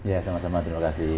ya sama sama terima kasih